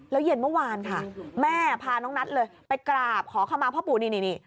แล้วเย็นเมื่อวานค่ะแม่พาน้องนัทเลยไปกราบขอขมาพ่อปู่นี่นี่